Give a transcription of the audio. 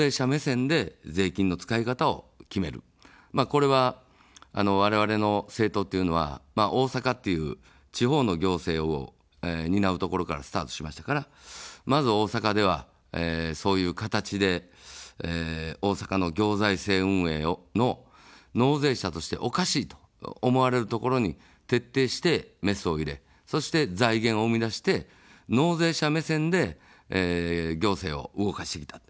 これは、われわれの政党というのは大阪という地方の行政を担うところからスタートしましたから、まず大阪では、そういう形で、大阪の行財政運営の納税者としておかしいと思われるところに徹底してメスを入れ、そして財源を生み出して納税者目線で、行政を動かしてきた。